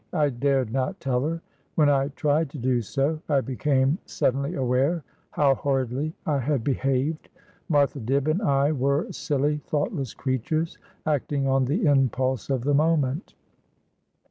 I dared not tell her. When I tried to do so, I became suddenly aware how horridly I had behaved. Martha Dibb and I were silly, thoughtless creatures, acting on the impulse of the moment.'